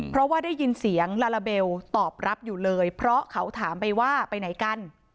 เพราะว่าได้ยินเสียงลาลาเบลตอบรับอยู่เลยเพราะเขาถามไปว่าไปไหนกัน